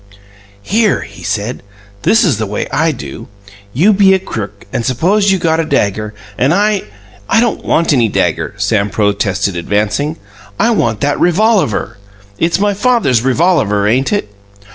"Here," he said, "this is the way I do: You be a crook; and suppose you got a dagger, and I " "I don't want any dagger," Sam protested, advancing. "I want that revolaver. It's my father's revolaver, ain't it?"